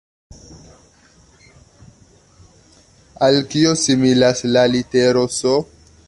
Al kio similas la litero S?